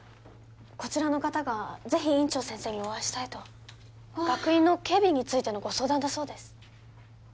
こちらの方がぜひ院長先生にお会いしたいと学院の警備についてのご相談だそうです